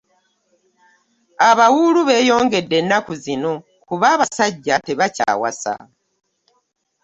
Abawuulu beeyongedde ennaku zino kuba abasajja tebakyawasa.